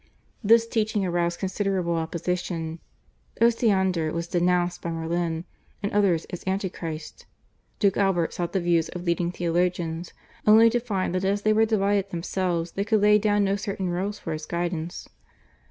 This teaching aroused considerable opposition. Osiander was denounced by Morlin and others as Anti Christ. Duke Albert sought the views of leading theologians only to find that as they were divided themselves they could lay down no certain rules for his guidance.